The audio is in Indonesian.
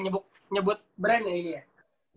gak boleh nyebut brand ini ya